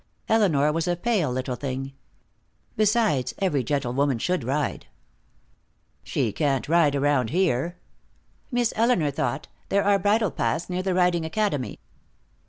Elinor was a pale little thing. Besides, every gentlewoman should ride. "She can't ride around here." "Miss Elinor thought there are bridle paths near the riding academy."